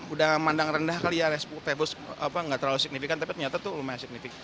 udah mandang rendah kali ya facebook gak terlalu signifikan tapi ternyata tuh lumayan signifikan